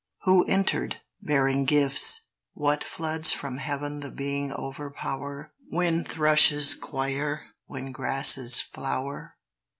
Who entered, bearing gifts? What floods from heaven the being overpower When thrushes choir, when grasses flower?